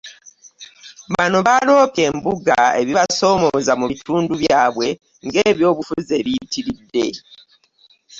Bano baloopye embuga ebibasoomooza mu bitundu byabwe ng'ebyobufuzi ebiyitiridde.